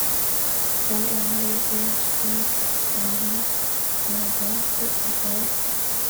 kandi amahirwe ya cindy atangira kugaragara ko arwaye